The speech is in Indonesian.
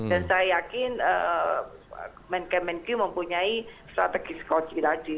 dan saya yakin menkemenki mempunyai strategi skocie lagi